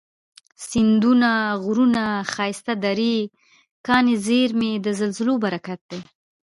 سیندونه، غرونه، ښایستې درې، کاني زیرمي، د زلزلو برکت دی